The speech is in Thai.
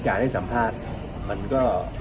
ให้สัมภาษณ์มันก็